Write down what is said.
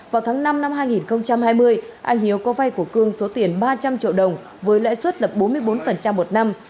vào tháng năm năm hai nghìn hai mươi anh hiếu có vay của cương số tiền ba trăm linh triệu đồng với lãi suất lập bốn mươi bốn một năm